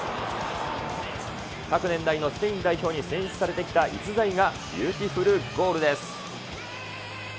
各年代のスペイン代表に選出されてきた逸材がビューティフルゴールです。